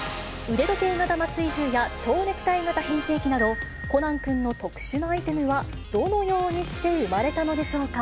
腕時計型麻酔銃や蝶ネクタイ型変声機など、コナン君の特殊なアイテムは、どのようにして生まれたのでしょうか。